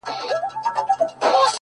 • له خپل تخته را لوېدلی چي سرکار وي ,